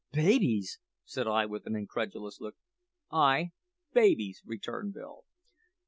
"Babies!" said I with an incredulous look. "Ay, babies," returned Bill.